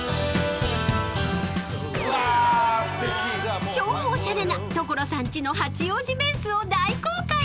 ［超おしゃれな所さんちの八王子ベースを大公開］